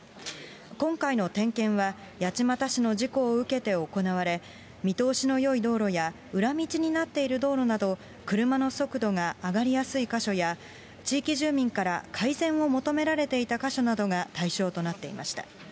今回の点検は、八街市の事故を受けて行われ、見通しのよい道路や、裏道になっている道路など、車の速度が上がりやすい箇所や、地域住民から改善を求められていた箇所などが対象となっていました。